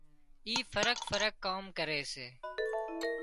اي فرق فرق ڪام ڪري سي